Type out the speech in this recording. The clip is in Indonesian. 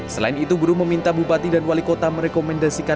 selain itu buruh meminta bupati dan wali kota untuk mencari penjagaan kesehatan